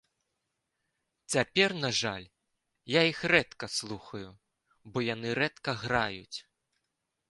Цяпер, на жаль, я іх рэдка слухаю, бо яны рэдка граюць.